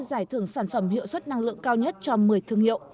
giải thưởng sản phẩm hiệu suất năng lượng cao nhất cho một mươi thương hiệu